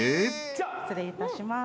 失礼いたします。